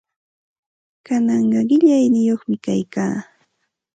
Kananqa qillayniyuqmi kaykaa.